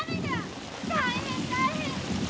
大変大変！